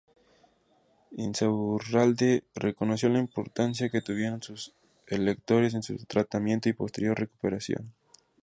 Insaurralde reconoció la importancia que tuvieron sus electores en su tratamiento y posterior recuperación.